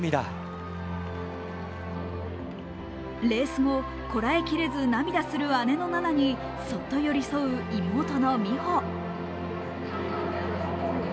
レース後、こらえきれず涙する姉の菜那にそっと寄り添う、妹の美帆。